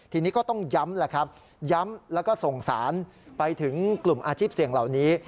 ทีนี้ก็ต้องย้ำแหละครับย้ำแล้วก็ส่งสารไปถึงกลุ่มอาชีพเสี่ยงเหล่านี้